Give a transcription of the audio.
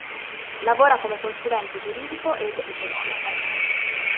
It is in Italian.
Lavora come consulente giuridico ed economico.